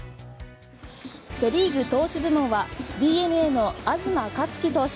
セ・リーグ投手部門はＤｅＮＡの東克樹投手。